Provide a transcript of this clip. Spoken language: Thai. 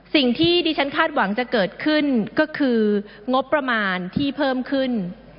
สิ่งที่ดิฉันคาดหวังจะเกิดขึ้นก็คืองบประมาณที่เพิ่มขึ้น